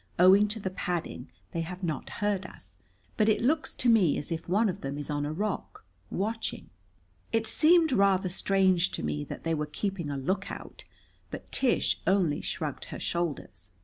"Owing to the padding they have not heard us, but it looks to me as if one of them is on a rock, watching." It seemed rather strange to me that they were keeping a lookout, but Tish only shrugged her shoulders.